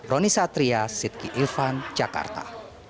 rony satria siddqi ilvan jakarta